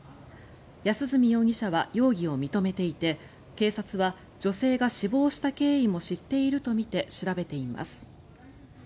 安栖容疑者は容疑を認めていて警察は、女性が死亡した経緯も知っているとみて調べています。